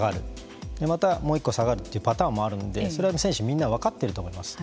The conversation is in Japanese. またもう一個下がるというパターンもあるのでそれは選手みんな分かっていると思います。